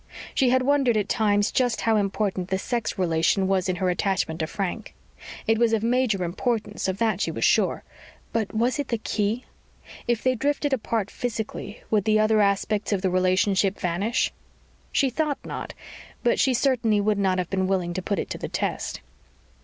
She had wondered at times just how important the sex relation was in her attachment to Frank. It was of major importance, of that she was sure, but was it the key? If they drifted apart physically, would the other aspects of the relationship vanish? She thought not, but she certainly would not have been willing to put it to the test.